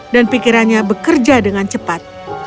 dan pikirannya bekerja dengan cepat